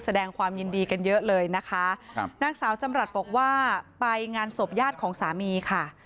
แสดงความยินดีกันเยอะเลยนะคะครับนางสาวจำรัฐบอกว่าไปงานศพญาติของสามีค่ะ